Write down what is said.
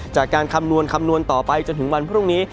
คำนวณคำนวณต่อไปจนถึงวันพรุ่งนี้